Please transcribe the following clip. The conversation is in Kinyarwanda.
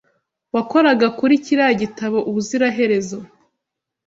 Wakoraga kuri kiriya gitabo ubuziraherezo.